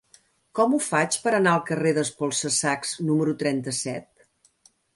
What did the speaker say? Com ho faig per anar al carrer d'Espolsa-sacs número trenta-set?